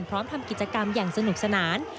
พร้อมทำกิจกรรมอย่างสนุกสนาน